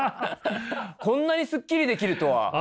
こんなにすっきりできるとは。